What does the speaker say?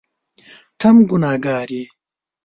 ته هم ګنهکاره یې !